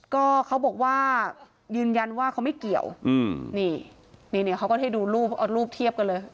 ก็เขาบอกว่ายืนยันว่าเขาไม่เกี่ยวอืมนี่นี่เขาก็ให้ดูรูปเอารูปเทียบกันเลย